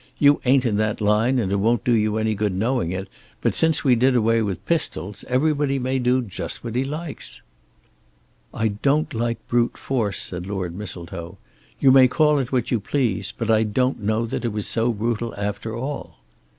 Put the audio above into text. You ain't in that line and it won't do you any good knowing it, but since we did away with pistols everybody may do just what he likes." "I don't like brute force," said Lord Mistletoe. "You may call it what you please: but I don't know that it was so brutal after all."